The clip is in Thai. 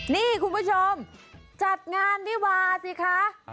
นี่คุณผู้ชมจัดงานวิวาสิคะ